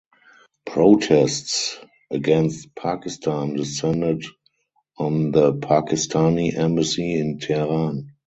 Protests against Pakistan descended on the Pakistani Embassy in Tehran.